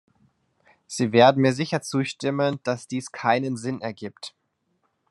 Sie werden mir sicher zustimmen, dass dies keinen Sinn ergibt.